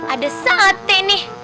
ada sate nih